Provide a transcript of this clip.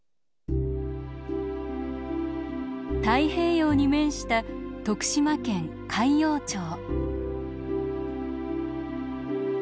太平洋に面した徳島県海陽町。